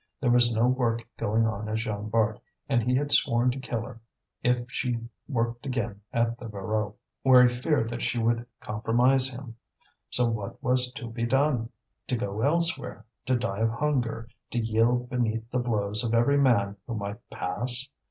There was no work going on at Jean Bart, and he had sworn to kill her if she worked again at the Voreux, where he feared that she would compromise him. So what was to be done? to go elsewhere, to die of hunger, to yield beneath the blows of every man who might pass?